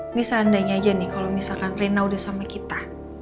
ini seandainya aja nih kalau misalkan rena udah sama kita